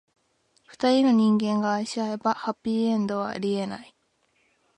二人の人間が愛し合えば、ハッピーエンドはありえない。